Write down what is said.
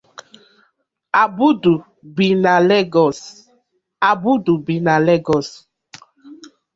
Abudu bi na Lagos.